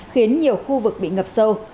khiến nhiều khu vực bị ngập sâu